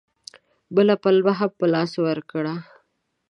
بله پلمه هم په لاس ورکړه.